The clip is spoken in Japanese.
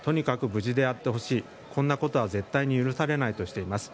無事であってほしいこんなことは絶対に許されないとしています。